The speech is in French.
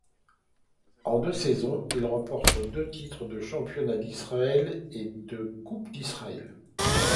En deux saisons, il remporte deux titres de champion d'Israël et deux coupes d'Israël.